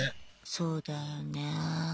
そうだよね。